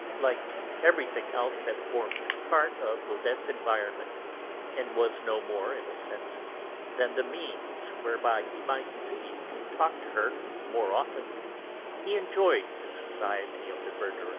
Like everything else that formed part of Odette's environment, and was no more, in a sense, than the means whereby he might see and talk to her more often, he enjoyed the society of the Verdurins.